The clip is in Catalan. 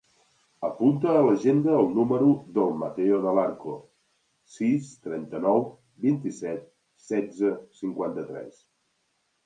Apunta a l'agenda el número del Matteo Del Arco: sis, trenta-nou, vint-i-set, setze, cinquanta-tres.